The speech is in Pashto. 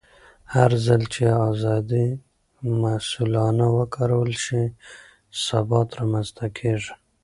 هرځل چې ازادي مسؤلانه وکارول شي، ثبات رامنځته کېږي.